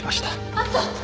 あった！